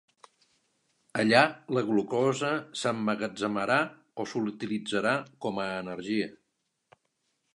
Allà la glucosa s’emmagatzemarà o s’utilitzarà com a energia.